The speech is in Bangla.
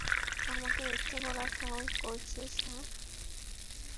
আমাকে মিথ্যে বলার সাহস করছিস, হ্যাঁ?